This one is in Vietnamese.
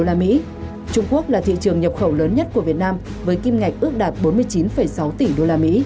trung quốc là thị trường nhập khẩu lớn nhất của việt nam với kim ngạch ước đạt bốn mươi chín sáu tỷ usd